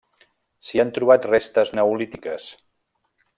S'hi han trobat restes neolítiques.